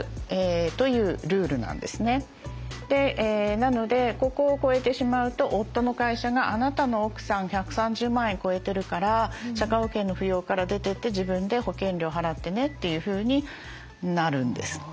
なのでここを超えてしまうと夫の会社があなたの奥さん１３０万円超えてるから社会保険の扶養から出てって自分で保険料を払ってねというふうになるんです。